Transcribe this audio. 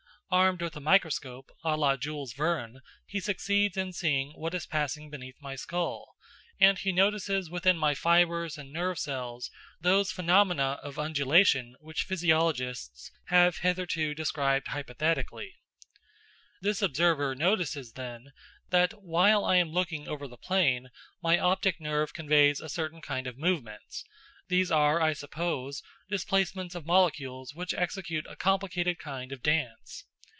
Armed with a microscope à la Jules Verne, he succeeds in seeing what is passing beneath my skull, and he notices within my fibres and nerve cells those phenomena of undulation which physiologists have hitherto described hypothetically. This observer notices then, that, while I am looking over the plain, my optic nerve conveys a certain kind of movements these are, I suppose, displacements of molecules which execute a complicated kind of dance.